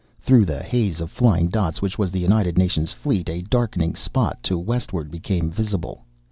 Through the haze of flying dots which was the United Nations fleet, a darkening spot to westward became visible.